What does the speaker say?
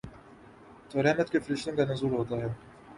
تو رحمت کے فرشتوں کا نزول ہوتا ہے۔